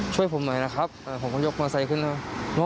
ช่วยผมหน่อยนะครับผมก็ยกมอเซย์ขึ้นนะ